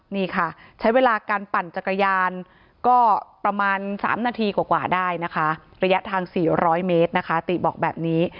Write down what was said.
นี่ค่ะใช้เวลาการปั่นจักรยานก็ประมาณ๓นาทีกว่าได้นะคะระยะทาง๔๐๐เมตรนะคะติบอกแบบนี้